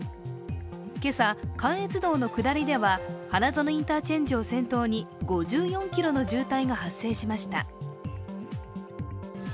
今朝、関越道の下りでは花園インターチェンジ中心に５４ｋｍの渋滞が発生しました。